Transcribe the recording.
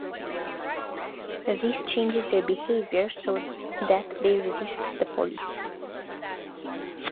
This changes their behaviour so that they resist the police.